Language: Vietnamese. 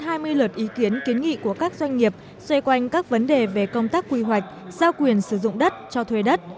tuy lượt ý kiến kiến nghị của các doanh nghiệp xoay quanh các vấn đề về công tác quy hoạch giao quyền sử dụng đất cho thuê đất